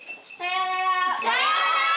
さようなら。